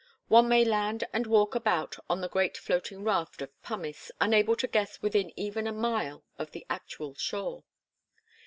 One may land and walk about on the great floating raft of pumice, unable to guess within even a mile of the actual shore.